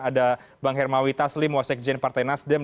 ada bang hermawi taslim wasekjen partai nasdem